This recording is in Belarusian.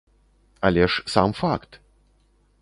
Але ж сам факт!